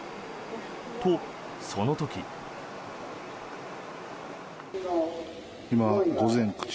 と、その時。